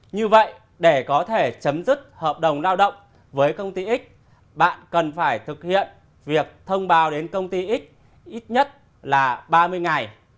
như vậy để có thể chấm dứt hợp đồng lao động với công ty x bạn cần phải thực hiện việc thông báo đến công ty x ít nhất là ba mươi ngày